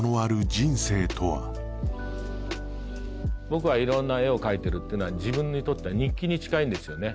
僕はいろんな絵を描いてるっていうのは自分にとっては日記に近いんですよね